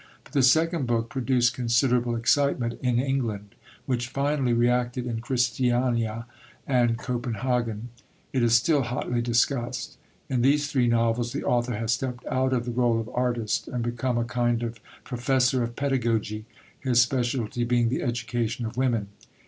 But the second book produced considerable excitement in England, which finally reacted in Christiania and Copenhagen; it is still hotly discussed. In these three novels the author has stepped out of the rôle of artist and become a kind of professor of pedagogy, his speciality being the education of women.